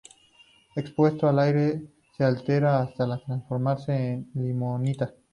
Expuesto al aire se altera hasta transformarse en limonita.